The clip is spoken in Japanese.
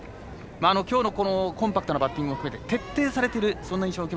きょうのコンパクトなバッティングで徹底されている。